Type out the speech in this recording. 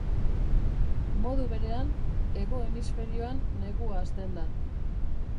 Modu berean, hego hemisferioan negua hasten da.